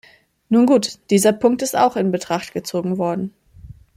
Nun gut, dieser Punkt ist auch in Betracht gezogen worden.